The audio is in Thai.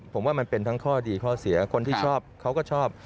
ผมว่ามันเป็นทั้งข้อดีข้อเสียคนที่ชอบเขาก็ชอบ